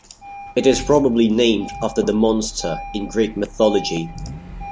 It is probably named after the monster in Greek mythology.